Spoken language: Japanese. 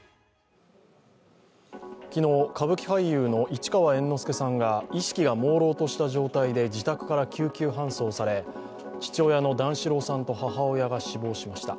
昨日、歌舞伎俳優の市川猿之助さんが意識がもうろうとした状態で自宅から救急搬送され父親の段四郎さんと母親が死亡しました。